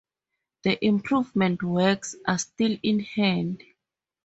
The "improvement works" are "still in hand".